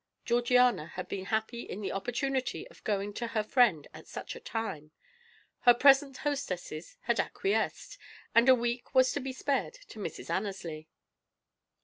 Georgiana had been happy in the opportunity of going to her friend at such a time; her present hostesses had acquiesced, and a week was to be spared to Mrs. Annesley.